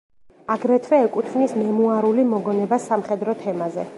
აგრეთვე ეკუთვნის მემუარული მოგონება სამხედრო თემაზე.